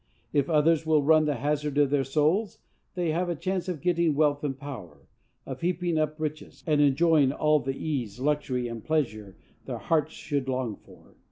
If others will run the hazard of their souls, they have a chance of getting wealth and power, of heaping up riches, and enjoying all the ease, luxury and pleasure their hearts should long after.